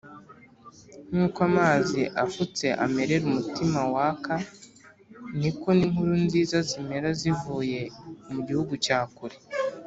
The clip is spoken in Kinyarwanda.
nk’uko amazi afutse amerera umutima waka, ni ko n’inkuru nziza zimera zivuye mu gihugu cya kure